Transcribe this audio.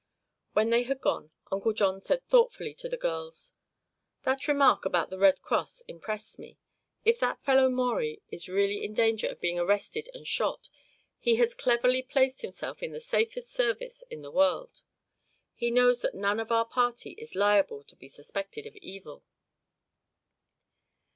When they had gone Uncle John said thoughtfully to the girls: "That remark about the Red Cross impressed me. If that fellow Maurie is really in danger of being arrested and shot, he has cleverly placed himself in the safest service in the world. He knows that none of our party is liable to be suspected of evil."